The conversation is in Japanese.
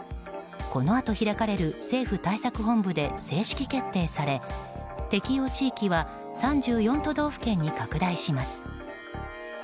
このあと開かれる政府対策本部で正式決定され適用地域は３４都道府県に拡大します。